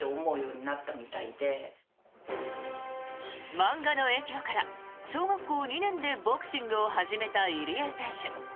漫画の影響から小学校２年でボクシングを始めた入江選手。